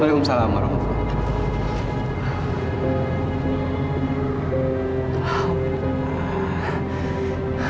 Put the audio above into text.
waalaikumsalam warahmatullahi wabarakatuh